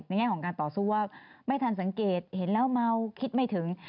แง่ของการต่อสู้ว่าไม่ทันสังเกตเห็นแล้วเมาคิดไม่ถึง